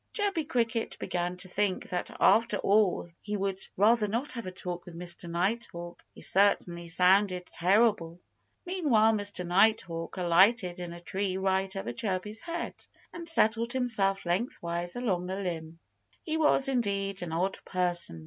Chirpy Cricket began to think that after all he would rather not have a talk with Mr. Nighthawk. He certainly sounded terrible! Meanwhile Mr. Nighthawk alighted in a tree right over Chirpy's head, and settled himself lengthwise along a limb. He was, indeed, an odd person.